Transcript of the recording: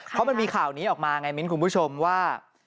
เพราะมันมีข่าวนี้ออกมาไงมิ้นคุณผู้ชมว่า